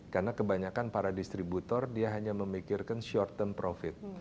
karena kebanyakan para distributor dia hanya memikirkan short term profit